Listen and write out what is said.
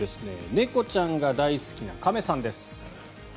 猫ちゃんが大好きな亀さんです。